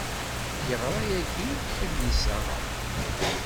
Yeɣra yagi adlis-a.